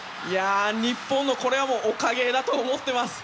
日本のおかげ芸だと思っています。